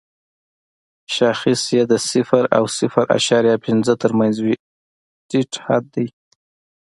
شاخص یې د صفر او صفر اعشاریه پنځه تر مینځ وي ټیټ حد دی.